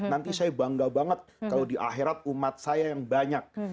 nanti saya bangga banget kalau di akhirat umat saya yang banyak